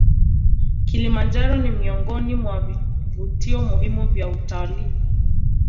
kilimanjaro ni miongoni mwa vivutio muhimu vya utalii